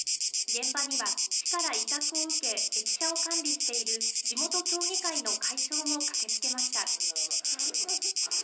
現場には市から委託を受け駅舎を管理している地元協議会の会長も駆けつけました。